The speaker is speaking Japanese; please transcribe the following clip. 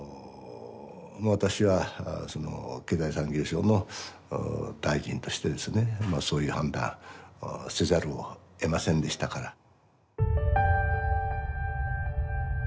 私は経済産業省の大臣としてですねそういう判断をせざるをえませんでしたから。